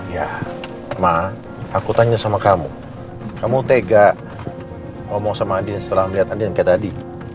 ya ma aku tanya sama kamu kamu tega ngomong sama adin setelah melihat adian kayak tadi